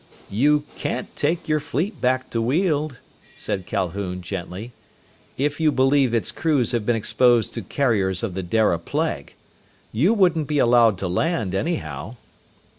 "You can't take your fleet back to Weald," said Calhoun gently, "if you believe its crews have been exposed to carriers of the Dara plague. You wouldn't be allowed to land, anyhow."